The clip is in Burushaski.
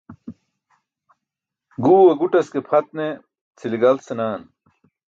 Guwe guṭas ke pʰat ne cʰile galt senaan.